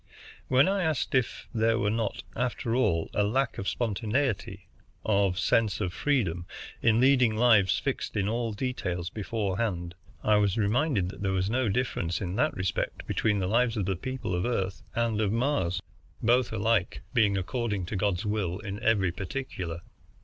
When I asked if there were not, after all, a lack of spontaneity, of sense of freedom, in leading lives fixed in all details beforehand, I was reminded that there was no difference in that respect between the lives of the people of Earth and of Mars, both alike being according to God's will in every particular.